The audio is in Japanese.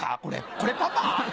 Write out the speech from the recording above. これパパ？